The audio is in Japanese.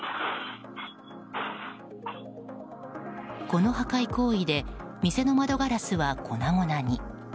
この破壊行為で店の窓ガラスは粉々に。